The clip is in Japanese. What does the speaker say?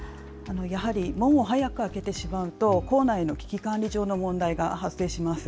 やはり門を早く開けてしまうと校内の危機管理上の問題が発生します。